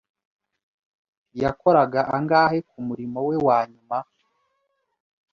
Yakoraga angahe kumurimo we wanyuma?